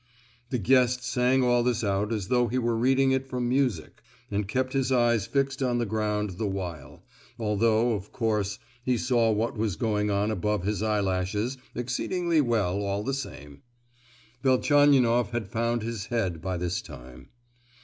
The guest sang all this out as though he were reading it from music, but kept his eyes fixed on the ground the while, although, of course, he saw what was going on above his eyelashes exceedingly well all the same. Velchaninoff had found his head by this time.